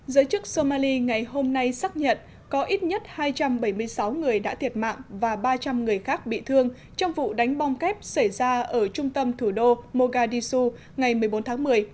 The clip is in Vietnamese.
giới chức somali ngày hôm nay xác nhận có ít nhất hai trăm bảy mươi sáu người đã thiệt mạng và ba trăm linh người khác bị thương trong vụ đánh bom kép xảy ra ở trung tâm thủ đô mogadisu ngày một mươi bốn tháng một mươi